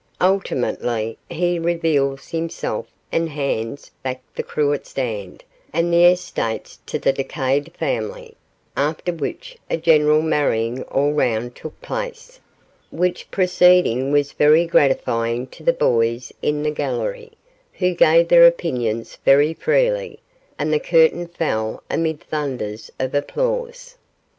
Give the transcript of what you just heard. Ultimately, he reveals himself and hands back the cruet stand and the estates to the decayed family, after which a general marrying all round took place, which proceeding was very gratifying to the boys in the gallery, who gave their opinions very freely, and the curtain fell amid thunders of applause.